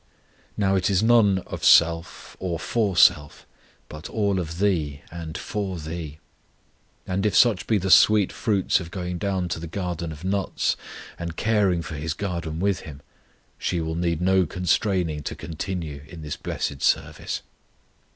Now it is none of self or for self, but all of Thee and for Thee. And if such be the sweet fruits of going down to the garden of nuts, and caring for His garden with Him, she will need no constraining to continue in this blessed service.